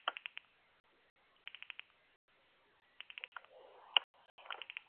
Tomaron la decisión aproximadamente a las ocho de la noche.